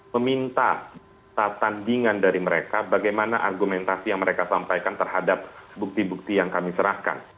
meminta tandingan dari mereka bagaimana argumentasi yang mereka sampaikan terhadap bukti bukti yang kami serahkan